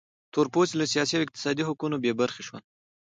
تور پوستي له سیاسي او اقتصادي حقونو بې برخې شول.